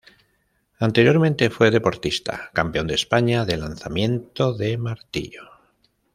Anteriormente fue deportista, campeón de España de lanzamiento de martillo.